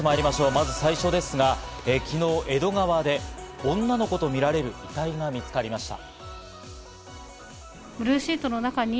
まず最初ですが、昨日、江戸川で女の子とみられる遺体が見つかりました。